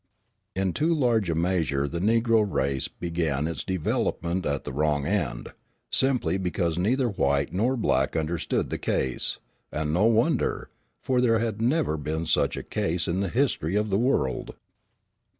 In too large a measure the Negro race began its development at the wrong end, simply because neither white nor black understood the case; and no wonder, for there had never been such a case in the history of the world.